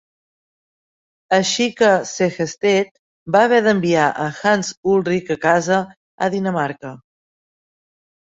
Així que Sehested va haver d'enviar a Hans Ulrik a casa a Dinamarca.